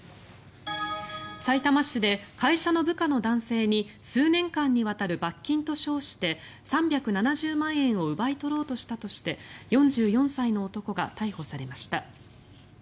さいたま市で会社の部下の男性に数年間にわたる罰金と称して３７０万円を奪い取ろうとしたとして４４歳の男が逮捕されました。